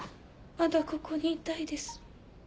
まだここにいたいです。